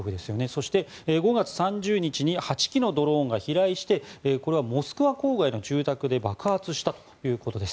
そして５月３０日に８機のドローンが飛来してこれはモスクワ郊外の住宅で爆発したということです。